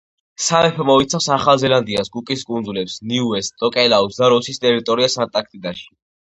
სამეფო მოიცავს: ახალ ზელანდიას, კუკის კუნძულებს, ნიუეს, ტოკელაუს და როსის ტერიტორიას ანტარქტიკაში.